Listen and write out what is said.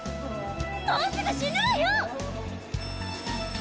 もうすぐ死ぬわよ！